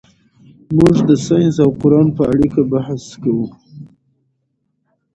موږ د ساینس او قرآن په اړیکه بحث کوو.